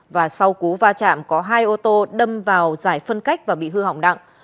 và sau cú va chạm có hai ô tô đâm vào giải phân cách và bị hư hỏng đặng